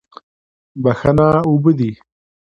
بښنه اوبه دي.